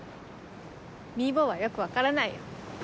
ミー坊はよく分からないよ。